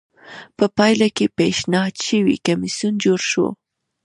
په پایله کې پېشنهاد شوی کمېسیون جوړ شو